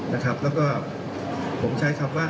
แล้วก็ผมใช้คำว่า